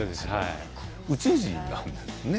宇宙人なんですね？